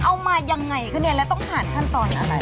เอามายังไงคะเนี่ยแล้วต้องผ่านขั้นตอนอะไร